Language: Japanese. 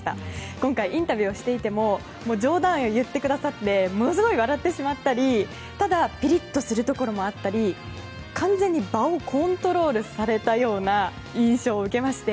今回インタビューをしていても冗談を言ってくださってものすごく笑ってしまったりただ、ピリッとするところもあったり完全に場をコントロールされたような印象を受けまして。